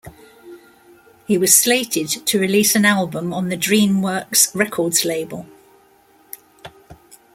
He was slated to release an album on the DreamWorks Records label.